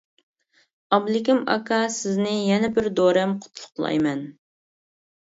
ئابلىكىم ئاكا سىزنى يەنە بىر دورەم قۇتلۇقلايمەن!